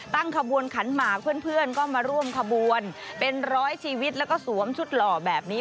ตั้งขบวนขันหมากเพื่อนก็มาร่วมขบวนเป็นร้อยชีวิตแล้วก็สวมชุดหล่อแบบนี้